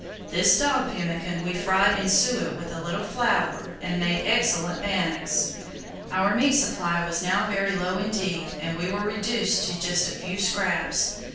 This dog pemmican we fried in suet with a little flour and made excellent bannocks. Our meat supply was now very low indeed; we were reduced to just a few scraps.